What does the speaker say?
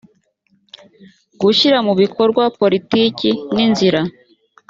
gushyira mu bikorwa politiki n inzira